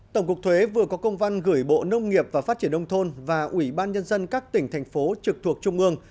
tổng cục thuế vừa có công văn gửi bộ nông nghiệp và phát triển nông thôn và ủy ban nhân dân các tỉnh thành phố trực thuộc trung ương